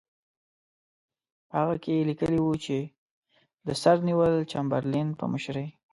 په هغه کې یې لیکلي وو چې د سر نیویل چمبرلین په مشرۍ.